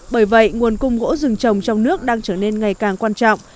bởi vậy nguồn cung gỗ rừng trồng trong nước đang trở nên ngày càng quan trọng